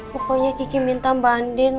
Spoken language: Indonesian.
pokoknya kiki minta mbak andin